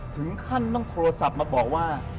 ถึงขั้นต้องโทรศัพท์มาบอกว่า